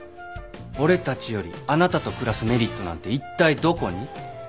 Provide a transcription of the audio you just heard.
俺たちよりあなたと暮らすメリットなんていったいどこに？